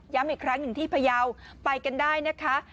ย้ำอีกครั้งหนึ่งที่พยาวิทยาลัยไปกันได้นะคะ